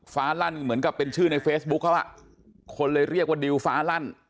ลั่นเหมือนกับเป็นชื่อในเฟซบุ๊คเขาอ่ะคนเลยเรียกว่าดิวฟ้าลั่น